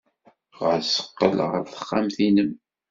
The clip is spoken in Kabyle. Ɣas qqel ɣer texxamt-nnem.